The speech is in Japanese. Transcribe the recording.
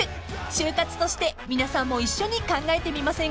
［終活として皆さんも一緒に考えてみませんか？］